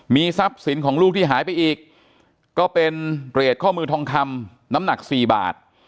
มีทรัพย์สินของลูกที่หายไปอีกก็เป็นเกรดข้อมือทองคำน้ำหนัก๔บาท